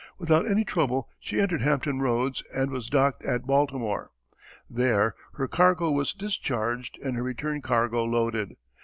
Without any trouble she entered Hampton Roads and was docked at Baltimore. There her cargo was discharged and her return cargo loaded.